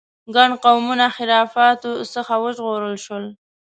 ګڼ قومونه خرافاتو څخه وژغورل شول.